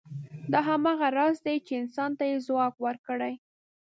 دا هماغه راز دی، چې انسان ته یې ځواک ورکړی.